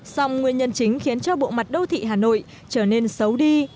song nguyên nhân chính khiến cho bộ mặt đô thị hà nội trở nên xấu đi